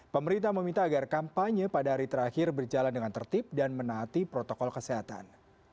pemerintah meminta agar kampanye pada hari terakhir berjalan dengan tertib dan menaati protokol kesehatan